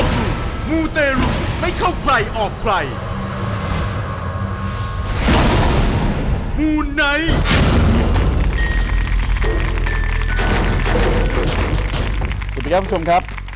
สวัสดีครับคุณผู้ชมครับ